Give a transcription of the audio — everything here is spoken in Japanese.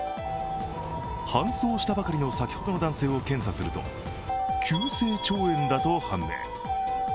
搬送したばかりの先ほどの男性を検査すると急性腸炎だと判明。